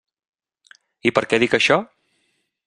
I per què dic això?